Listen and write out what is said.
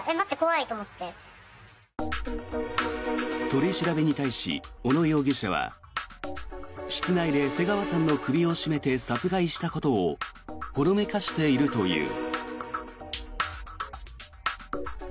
取り調べに対し小野容疑者は室内で瀬川さんの首を絞めて殺害したことをほのめかしているという。